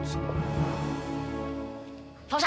tidak ada foto